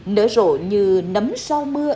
nở rộ như nấm sau mưa